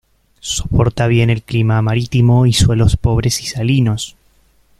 Soporta bien el clima marítimo y suelos pobres y salinos.